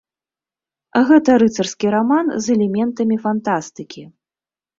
Гэта рыцарскі раман з элементамі фантастыкі.